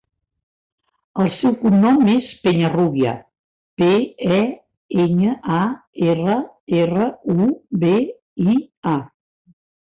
El seu cognom és Peñarrubia: pe, e, enya, a, erra, erra, u, be, i, a.